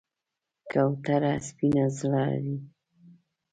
کوتره سپین زړه لري.